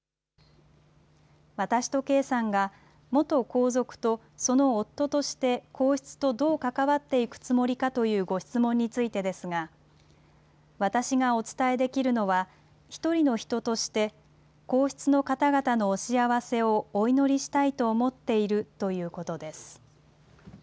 私と圭さんが、元皇族とその夫として、皇室とどう関わっていくつもりかというご質問についてですが、私がお伝えできるのは、一人の人として、皇室の方々のお幸せをお祈りしたいと思っているということです。